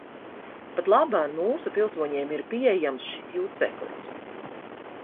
Patlaban mūsu pilsoņiem ir pieejams šis juceklis.